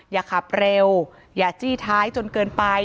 อย่าขับเร็วอย่าจี้ท้ายจนเกินไป